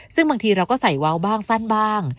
ซึ่งบางทีเราก็ใส่เว้าบ้างสั้นบ้าง